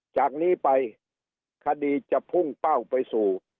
จากนี้ไปคดีจะพุ่งเป้าไปสู่